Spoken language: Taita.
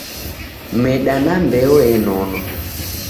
Meda na mbeo enonwa.